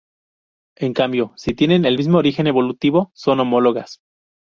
En cambio, si tienen el mismo origen evolutivo, son homólogas.